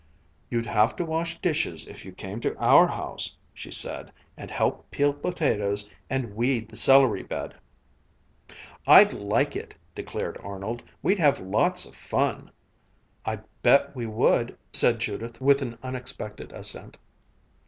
"You'd have to wash dishes if you came to our house," she said, "and help peel potatoes, and weed the celery bed." "I'd like it!" declared Arnold. "We'd have lots of fun." "I bet we would!" said Judith, with an unexpected assent.